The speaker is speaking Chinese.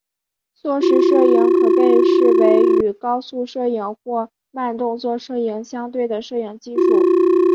缩时摄影可被视为与高速摄影或慢动作摄影相对的摄影技术。